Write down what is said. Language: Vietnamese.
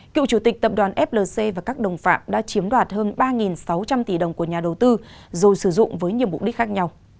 cựu chủ tịch tập đoàn flc và các đồng phạm đã chiếm đoạt hơn ba sáu trăm linh tỷ đồng của nhà đầu tư rồi sử dụng với nhiều mục đích khác nhau